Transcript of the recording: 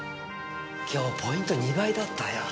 今日ポイント２倍だったよ。